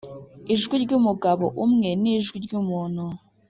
ijwi ryumugabo umwe nijwi ryumuntu.